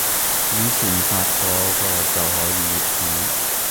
以前發個個就可以粵語